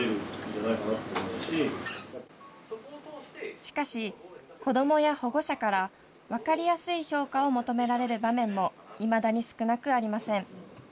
しかし、子どもや保護者から分かりやすい評価を求められる場面も、いまだに少なくありません。